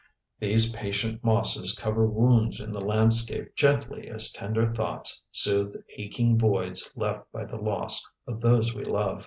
These patient mosses cover wounds in the landscape gently as tender thoughts soothe aching voids left by the loss of those we love.